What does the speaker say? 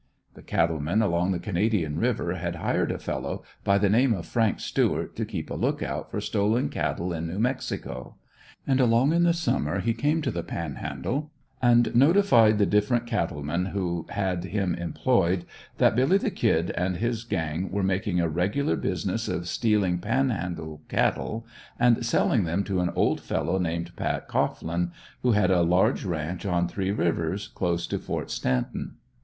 The cattlemen along the Canadian river had hired a fellow by the name of Frank Stuart to keep a lookout for stolen cattle in New Mexico; and along in the summer he came to the Panhandle and notified the different cattlemen who had him employed that "Billy the Kid" and his gang were making a regular business of stealing Panhandle cattle and selling them to an old fellow named Pat Cohglin who had a large ranch on Three rivers, close to Ft. Stanton.